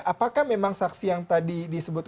apakah memang saksi yang tadi disebut